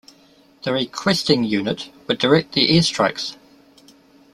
The requesting unit would direct the air strikes.